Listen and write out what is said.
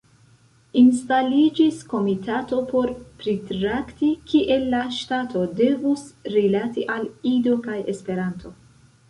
Instaliĝis komitato por pritrakti, kiel la ŝtato devus rilati al Ido kaj Esperanto.